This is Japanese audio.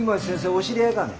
お知り合いかね？